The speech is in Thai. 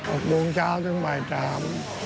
ออกโดงเช้าถึงบ่ายตาม